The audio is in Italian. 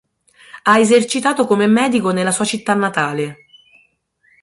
Ha esercitato come medico nella sua città natale.